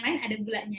maka pasti ada gulanya